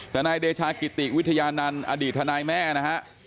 แต่นายเดชากิติวิทยานันต์อดีตทนายแม่นะฮะ